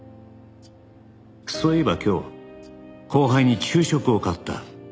「そういえば今日後輩に昼食を買った」